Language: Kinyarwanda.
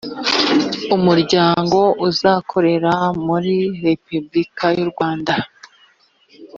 umuryango uzakorera muri repuburika y’u rwanda